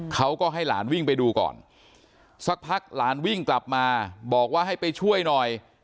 เขาก็ให้หลานวิ่งไปดูก่อนสักพักหลานวิ่งกลับมาบอกว่าให้ไปช่วยหน่อย